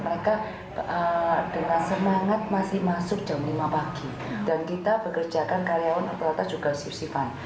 mereka dengan semangat masih masuk jam lima pagi dan kita bekerjakan karyawan operator juga susifan